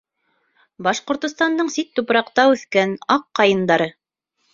Башҡортостандың сит тупраҡта үҫкән аҡ ҡайындары!